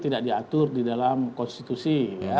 tidak diatur di dalam konstitusi